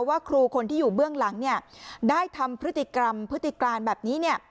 ว่าครูคนที่อยู่เบื้องหลังเนี่ยได้ทำพฤติกรรมพฤติการแบบนี้เนี่ย